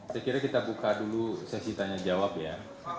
saya kira kita buka dulu sesi tanya jawab ya